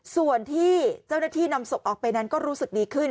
ส่วนที่เจ้าหน้าที่นำศพออกไปนั้นก็รู้สึกดีขึ้น